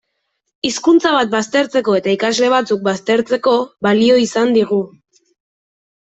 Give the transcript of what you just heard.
Hizkuntza bat baztertzeko eta ikasle batzuk baztertzeko balio izan digu.